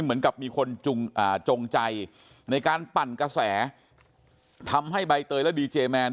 เหมือนกับมีคนจงใจในการปั่นกระแสทำให้ใบเตยและดีเจแมน